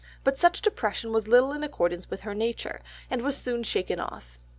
But such depression was little in accordance with her nature, and was soon shaken off.